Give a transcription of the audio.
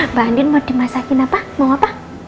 mbak andin mau dimasakin apa mau apa